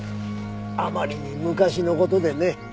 あまりに昔の事でね。